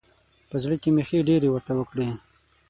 په زړه کې مې ښې ډېرې ورته وکړې.